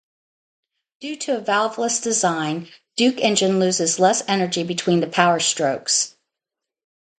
Due to a valveless design, Duke engine loses less energy between the power strokes.